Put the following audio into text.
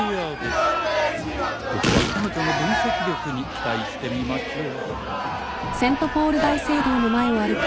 ここは彼女の分析力に期待してみましょう。